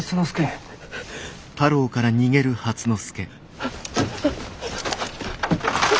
あっ。